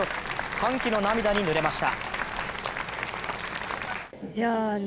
歓喜の涙にぬれました。